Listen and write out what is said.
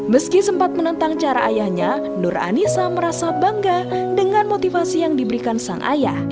meski sempat menentang cara ayahnya nur anissa merasa bangga dengan motivasi yang diberikan sang ayah